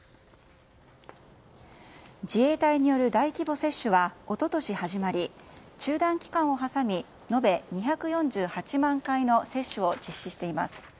自衛隊による大規模接種は一昨年、始まり中断期間を挟み延べ２４８万回の接種を実施しています。